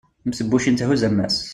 mm tebbucin thuzz ammas